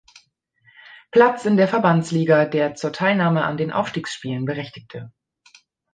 Platz in der Verbandsliga, der zur Teilnahme an den Aufstiegsspielen berechtigte.